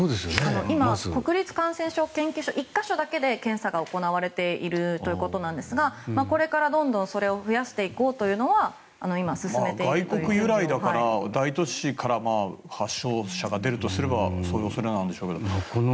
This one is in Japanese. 今、国立感染症研究所１か所だけで検査が行われているということですがこれから、どんどんそれを増やしていこうというのを外国由来なので大都市から発症者が出るとすればそうなんでしょうけど。